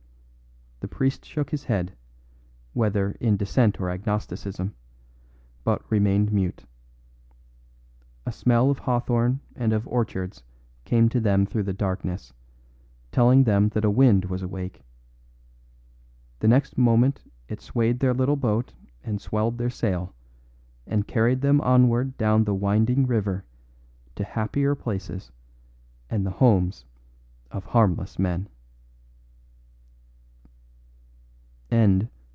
The priest shook his head, whether in dissent or agnosticism, but remained mute. A smell of hawthorn and of orchards came to them through the darkness, telling them that a wind was awake; the next moment it swayed their little boat and swelled their sail, and carried them onward down the winding river to happier places and the homes of harmless men.